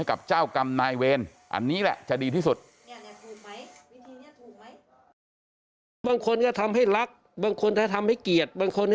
กับเจ้ากรรมนายเวรอันนี้แหละจะดีที่สุด